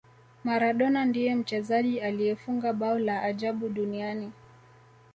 maradona ndiye mchezaji aliyefunga bao la ajabu duniani